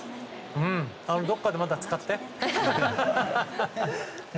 どこかでまた使って！